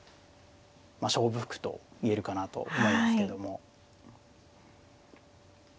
まあ勝負服と言えるかなと思いますけども。